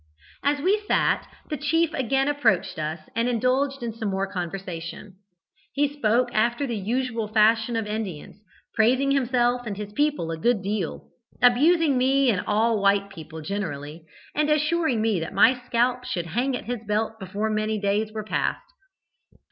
"As we sat, the chief again approached us and indulged in some more conversation. He spoke after the usual fashion of Indians, praising himself and his people a good deal, abusing me and all white people generally, and assuring me that my scalp should hang at his belt before many days were past.